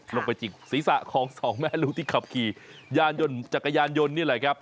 ไปจิกศีรษะของสองแม่ลูกที่ขับขี่ยานยนต์จักรยานยนต์นี่แหละครับ